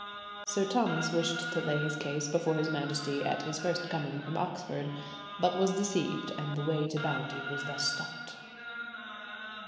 Sir Thomas wished to lay his case before his Majesty at his first coming from Oxford, but was deceived, and the way to bounty was thus stopped.